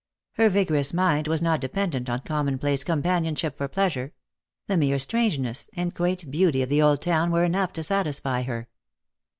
Her vigorous mind was not dependent on com monplace companionship for pleasure; the mere strangeness and quaint beauty of the old town were enough to satisfy her.